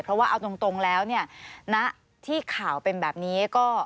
เพราะว่าเอาตรงแล้วเนี่ยณที่ข่าวเป็นแบบนี้ก็